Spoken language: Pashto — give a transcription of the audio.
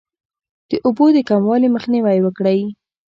د اوبو د کموالي مخنیوی وکړئ.